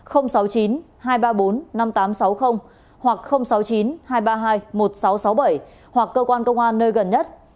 hoặc sáu mươi chín hai trăm ba mươi hai một nghìn sáu trăm sáu mươi bảy hoặc cơ quan công an nơi gần nhất